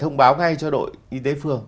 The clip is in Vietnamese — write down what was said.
thông báo ngay cho đội y tế phường